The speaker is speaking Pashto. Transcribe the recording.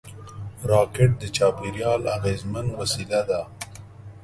راکټ د چاپېریال اغېزمن وسیله ده